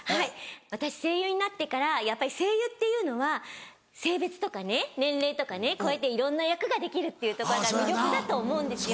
（日私声優になってからやっぱり声優っていうのは性別とかね年齢とかね越えていろんな役ができるっていうとこが魅力だと思うんですよ。